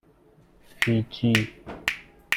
فیجی